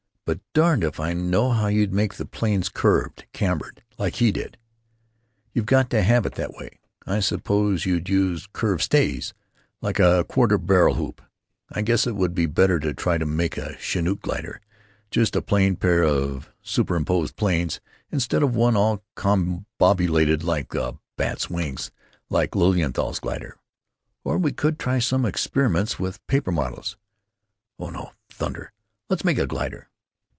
But darned if I know how you'd make the planes curved—cambered—like he did. You got to have it that way. I suppose you'd use curved stays. Like a quarter barrel hoop.... I guess it would be better to try to make a Chanute glider—just a plain pair of sup'rimposed planes, instead of one all combobulated like a bat's wings, like Lilienthal's glider was.... Or we could try some experiments with paper models——Oh no! Thunder! Let's make a glider."